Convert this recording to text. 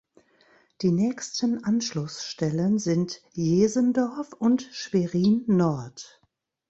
Die nächsten Anschlussstellen sind Jesendorf und Schwerin-Nord.